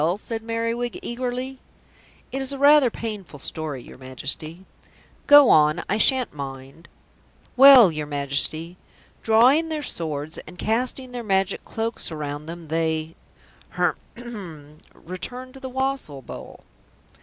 said Merriwig eagerly. "It is rather a painful story, your Majesty." "Go on, I shan't mind." "Well, your Majesty, drawing their swords and casting their Magic Cloaks around them they h'r'm returned to the wassail bowl."